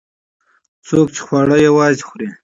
څوک چې خواړه یوازې خوري.